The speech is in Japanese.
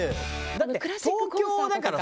だって東京だからさ。